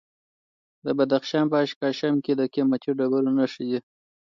د بدخشان په اشکاشم کې د قیمتي ډبرو نښې دي.